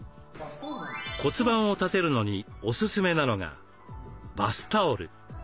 骨盤を立てるのにおすすめなのがバスタオル。